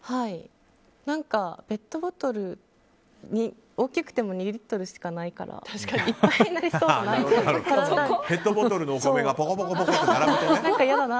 何か、ペットボトルは大きくても２リットルしかないからいっぱいになりそうな。